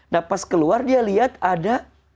nah pas keluar dia lihat ada